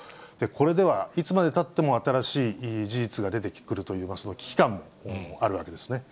これではいつまでたっても新しい事実が出てくるといいますか、危機感もあるわけですね。